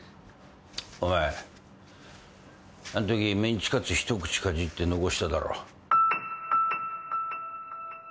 お前あんときメンチカツ一口かじって残しただろ。